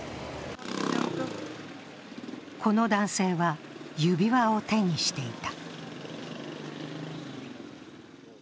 この男性は指輪を手にしていた。